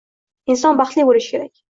Inson baxtli bo`lishi kerak